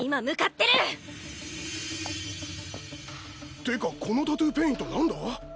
ってかこのタトゥーペイントなんだ？